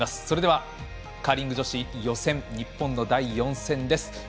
それではカーリング女子予選日本の第４戦です。